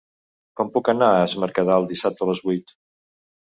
Com puc anar a Es Mercadal dissabte a les vuit?